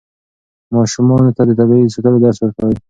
ماشومانو ته د طبیعت ساتلو درس ورکړئ.